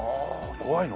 怖いの？